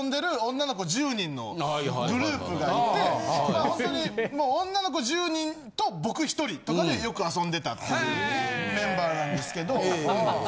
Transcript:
まあほんとに女の子１０人と僕１人とかでよく遊んでたっていうメンバーなんですけど。